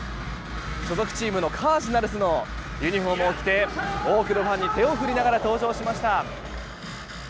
所属チームのカージナルスのユニホームを着て多くのファンに手を振りながら登場しました。